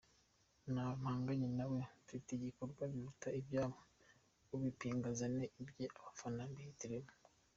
Ntawe mpanganye na we, mfite ibikorwa biruta ibyabo, ubipinga azane ibye abafana bihitiremo”.